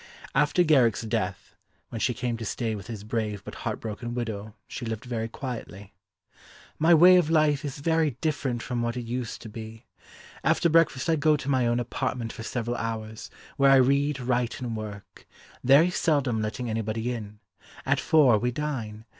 After Garrick's death, when she came to stay with his brave but heart broken widow she lived very quietly. "My way of life is very different from what it used to be. After breakfast I go to my own apartment for several hours, where I read, write and work; very seldom letting anybody in. At four we dine.